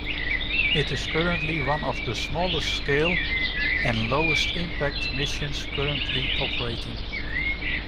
It is currently one of the smallest-scale and lowest impact Missions currently operating.